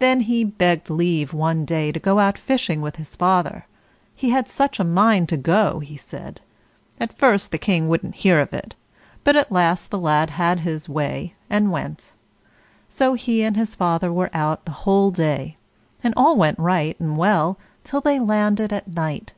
Then he begged leave one day to go out fishing with his father; he had such a mind to go, he said. At first the King wouldn't hear of it, but at last the lad had his way, and went. So he and his father were out the whole day, and all went right and well till they landed at night.